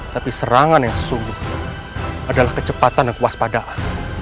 tapi serangan yang sesungguhnya adalah kecepatan dan kewaspadaan